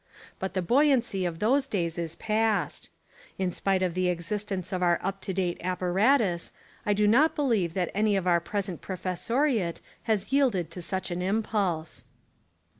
But the buoyancy of those days is past. In spite of the existence of our up to date apparatus, I do not believe that any of our present professoriate has yield ed to such an impulse.